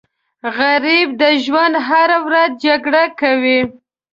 غریب د ژوند هره ورځ جګړه کوي